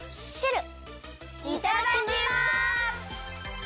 いただきます！